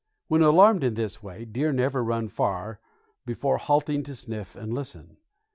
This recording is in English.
When alarmed in this way, deer never run far before halting to sniff and listen.